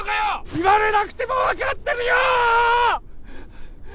言われなくても分かってるよー！